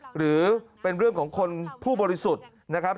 หรือเป็นเรื่องของคนผู้บริสุทธิ์นะครับ